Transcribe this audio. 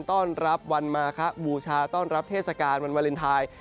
ต้อนรับวันมาคะบูชาต้อนรับเทศกาลวันวาเลนไทย